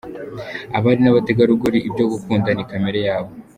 Abari n’Abategarugori, ibyo gukunda ni kamere yabo.